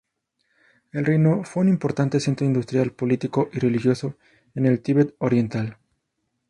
El reino fue un importante centro industrial, político y religioso en el Tíbet oriental.